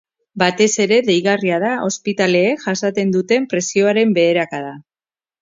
Batez ere, deigarria da ospitaleek jasaten duten presioaren beherakada.